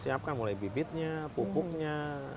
siapkan mulai bibitnya pupuknya